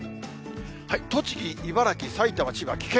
栃木、茨城、さいたま、千葉、危険。